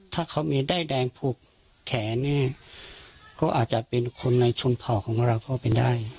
ถ้าเขามีได้แดงผูกแขนี่ก็อาจจะเป็นคนในชุมภาพของเราก็ไม่ได้